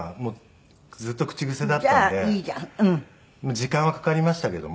時間はかかりましたけども。